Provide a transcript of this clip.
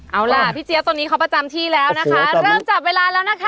เอาล่ะพี่เจี๊ยบตอนนี้เขาประจำที่แล้วนะคะเริ่มจับเวลาแล้วนะคะ